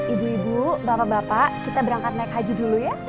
ibu ibu bapak bapak kita berangkat naik haji dulu ya